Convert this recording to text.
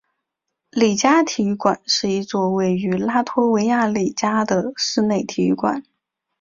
里加体育馆是一座位于拉脱维亚里加的室内体育馆。